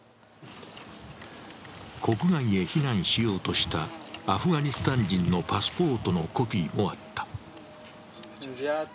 国外へ避難しようしたアフガニスタン人のパスポートのコピーもあった。